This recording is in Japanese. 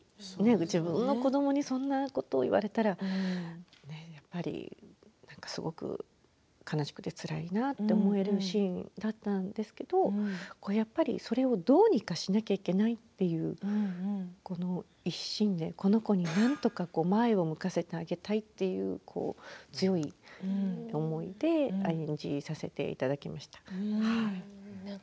自分の子どもにそんなことを言われたらやっぱり、すごく悲しくてつらいなと思えるシーンだったんですけれどやっぱり、それをどうにかしなければいけないという一心でこの子になんとか前を向かせてあげたいという強い思いで演じさせていただきました。